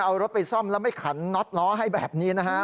เอารถไปซ่อมแล้วไม่ขันน็อตล้อให้แบบนี้นะฮะ